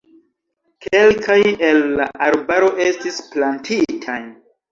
Kelkaj el la arbaro estis plantitaj.